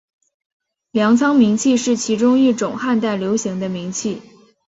粮仓明器是其中一种汉代流行的明器。